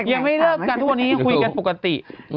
ยังไม่เลิกกันทุกวันนี้ยังคุยกันปกติ